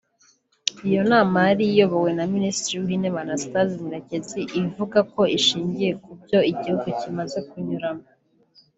Iyo nama yari iyobowe na Ministiri w’Intebe Anastase Murekezi ivuga ko ishingiye ku byo igihugu kimaze kunyuramo